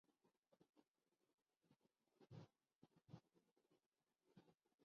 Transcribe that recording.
ہاتھ کنگن کو آرسی کیا؟